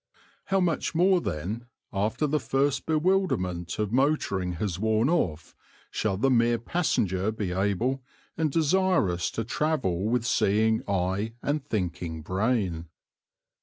How much more then, after the first bewilderment of motoring has worn off, shall the mere passenger be able and desirous to travel with seeing eye and thinking brain?